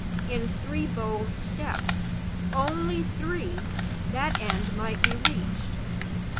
"In three bold steps only three! that end might be reached.